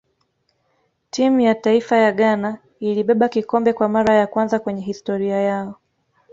timu ya taifa ya ghana ilibeba kikombe kwa mara ya kwanza kwenye historia yao